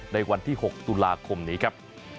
ในวันที่๖ตุลาคมนี้ครับ